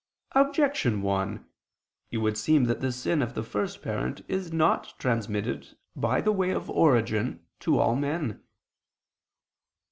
Objection 1: It would seem that the sin of the first parent is not transmitted, by the way of origin, to all men.